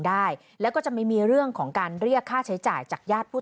ได้แล้วก็จะไม่มีเรื่องของการเรียกค่าใช้จ่ายจากญาติผู้